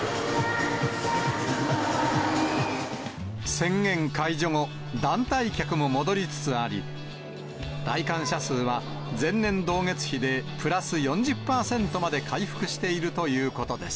宣言解除後、団体客も戻りつつあり、来館者数は前年同月比でプラス４０％まで回復しているということです。